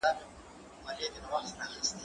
مېوې د مور له خوا وچول کيږي